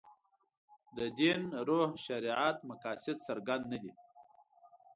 دین روح شریعت مقاصد څرګند نه دي.